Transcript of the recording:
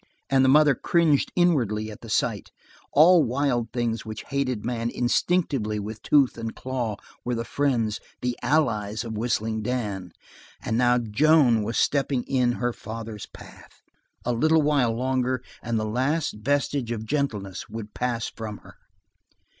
And the mother cringed inwardly at the sight; all wild things which hated man instinctively with tooth and claw were the friends, the allies of Whistling Dan, and now Joan was stepping in her father's path. A little while longer and the last vestige of gentleness would pass from her.